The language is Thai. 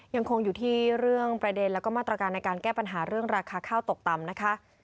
ยังคงอยู่ที่เรื่องประเด็นแล้วก็มาตรการในการแก้ปัญหาเรื่องราคาข้าวตกต่ำนะคะ